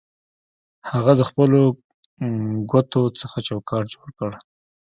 هغه د خپلو ګوتو څخه چوکاټ جوړ کړ